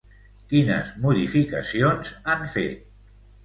Quines modificacions han fet?